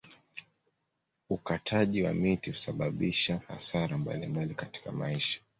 Ukataji wa miti husababisha hasara mbalimbali katika maisha